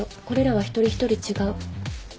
これらは一人一人違う。